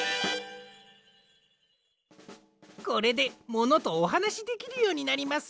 これでモノとおはなしできるようになります。